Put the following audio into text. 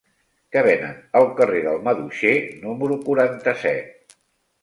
Què venen al carrer del Maduixer número quaranta-set?